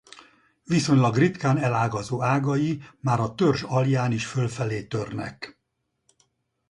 Viszonylag ritkán elágazó ágai már a törzs alján is fölfelé törnek.